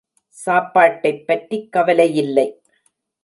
சாப்பாட்டைப் பற்றிக் கவலையில்லை.